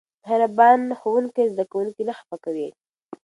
مهربان ښوونکی زده کوونکي نه خفه کوي.